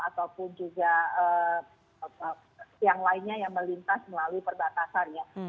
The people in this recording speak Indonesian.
ataupun juga yang lainnya yang melintas melalui perbatasannya